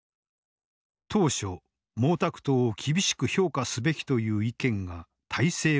当初毛沢東を厳しく評価すべきという意見が大勢を占めていた。